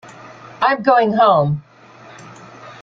I'm going home!